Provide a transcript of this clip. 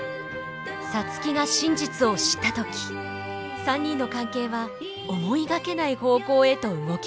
皐月が真実を知った時３人の関係は思いがけない方向へと動きだす。